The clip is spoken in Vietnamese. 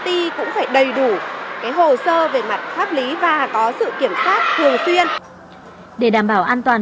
ty cũng phải đầy đủ hồ sơ về mặt pháp lý và có sự kiểm soát thường xuyên để đảm bảo an toàn